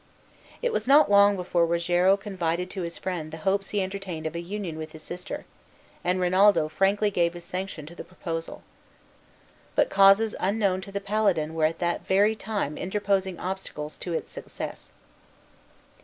It was not long before Rogero confided to his friend the hopes he entertained of a union with his sister, and Rinaldo frankly gave his sanction to the proposal. But causes unknown to the paladin were at that very time interposing obstacles to its success.